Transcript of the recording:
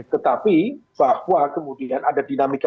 tetapi bahwa kemudian ada dinamika